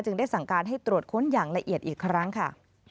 ได้สั่งการให้ตรวจค้นอย่างละเอียดอีกครั้งค่ะ